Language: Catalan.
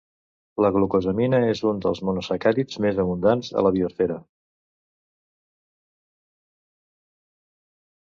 La glucosamina és un dels monosacàrids més abundants a la biosfera.